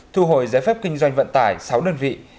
thu hồi giấy phép kinh doanh vận tải sáu đơn vị